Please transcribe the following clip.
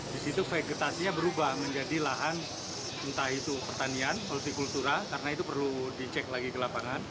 di situ vegetasinya berubah menjadi lahan entah itu pertanian holti kultura karena itu perlu dicek lagi ke lapangan